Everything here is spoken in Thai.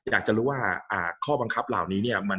อยากจะรู้ว่าข้อบังคับเหล่านี้เนี่ย